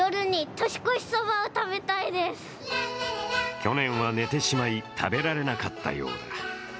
去年は寝てしまい食べられなかったようだ。